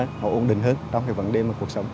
nó ổn định hơn trong cái vấn đề mà cuộc sống